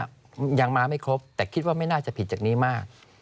ยังมาไม่ครบแต่คิดว่าไม่น่าจะผิดจากนี้มาก